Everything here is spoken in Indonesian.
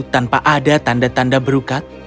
tanpa ada tanda tanda berukat